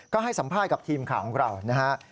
ก็ให้สัมภาษณ์กับทีมข่าวของเรานะฮะ